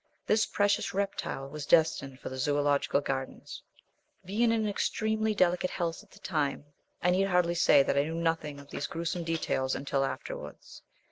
This precious reptile was destined for the Zoological Gardens. Being in extremely delicate health at the time, I need hardly say that I knew nothing of these gruesome details until afterwards.